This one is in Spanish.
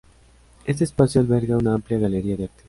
Este espacio alberga una amplia galería de arte.